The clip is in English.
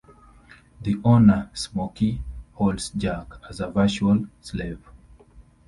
The owner, Smokey, holds Jack as a virtual slave.